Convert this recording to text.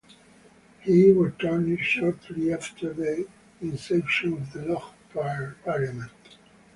He returned shortly after the inception of the Long Parliament.